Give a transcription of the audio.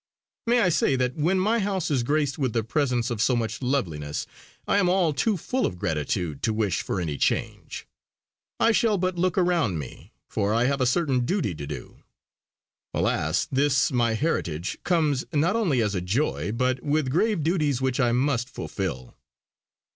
May I say that when my house is graced with the presence of so much loveliness I am all too full of gratitude to wish for any change. I shall but look around me, for I have a certain duty to do. Alas! this my heritage comes not only as a joy, but with grave duties which I must fulfill.